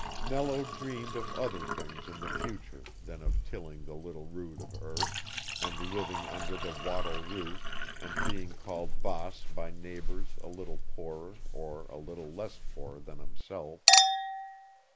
Nello dreamed of other things in the future than of tilling the little rood of earth, and living under the wattle roof, and being called Baas by neighbors a little poorer or a little less poor than himself.